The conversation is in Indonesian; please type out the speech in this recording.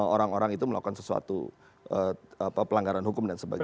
orang orang itu melakukan sesuatu pelanggaran hukum dan sebagainya